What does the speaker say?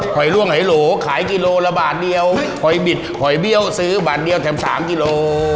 ล่วงหายโหลขายกิโลละบาทเดียวหอยบิดหอยเบี้ยวซื้อบาทเดียวแถมสามกิโล